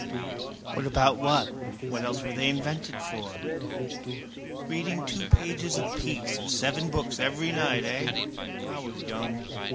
What about what? What else were they invented for? Reading two pages apiece of seven books every night, eh? I was young.